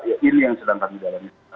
ya ini yang sedang kami dalami